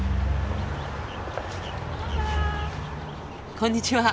こんにちは。